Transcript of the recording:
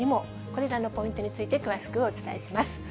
これらのポイントについて詳しくお伝えします。